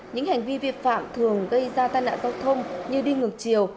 những hành vi vi phạm thường gây ra tai nạn giao thông như đi ngược chiều